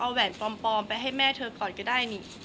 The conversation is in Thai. เอาแหวนปลอมไปให้แม่เธอก่อนก็ได้นี่